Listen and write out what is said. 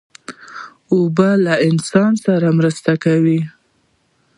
اوبه له انسان سره مرسته کوي.